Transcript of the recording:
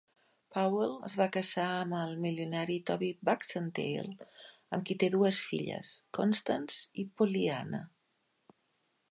Powell es va casar amb el milionari Toby Baxendale, amb qui té dues filles, Constance i Pollyanna.